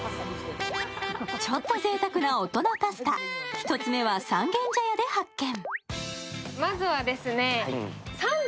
ちょっとぜいたくな大人パスタ、１つ目は三軒茶屋で発見。